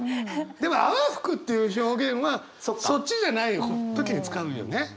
でも「泡吹く」っていう表現はそっちじゃない時に使うよね。